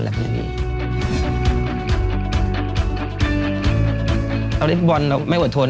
มีความสุขกับการเล่นฟุตบอลให้น่าที่สุด